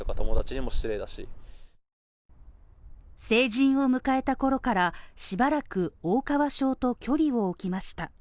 成人を迎えたころから、しばらく大川小と距離を置きました。